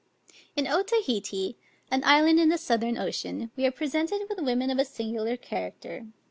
In Otaheite, an island in the Southern Ocean, we are presented with women of a singular character.